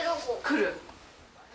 来る？